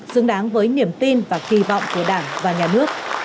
xứng đáng với niềm tin và kỳ vọng của đảng và nhà nước